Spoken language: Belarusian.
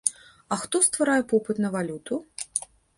А хто стварае попыт на валюту?